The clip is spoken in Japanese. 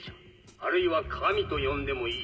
あるいは神と呼んでもいい。